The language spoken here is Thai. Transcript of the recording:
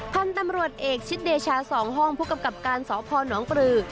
พันธุ์ตำรวจเอกชิดเดชา๒ห้องผู้กำกับการสพนปลือ